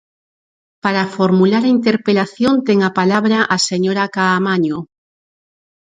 Para formular a interpelación ten a palabra a señora Caamaño.